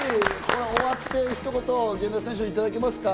終わって、ひと言、源田選手、いただけますか？